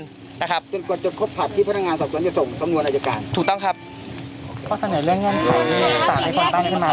จนกว่าจะครบผัดที่พนักงานทรัพย์สนจะส่งทุกที่สำนวนอาจารย์การ